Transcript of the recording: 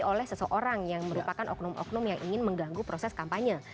oleh seseorang yang merupakan oknum oknum yang ingin mengganggu proses kampanye